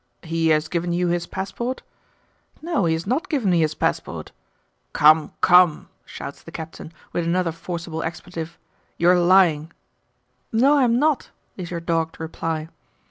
'He has given you his passport?' 'No, he has not given me his passport.' 'Come, come!' shouts the Captain with another forcible expletive. 'You are lying!' 'No, I am not,' is your dogged reply.